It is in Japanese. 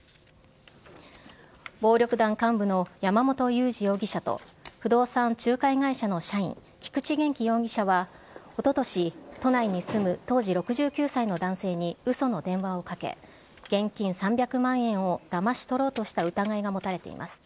暴力団幹部の山本裕二容疑者と、不動産仲介会社の社員、菊池元気容疑者はおととし、都内に住む当時６９歳の男性にうその電話をかけ、現金３００万円をだまし取ろうとした疑いが持たれています。